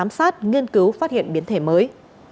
lấy mẫu giám sát nghiên cứu phát hiện biến thể mới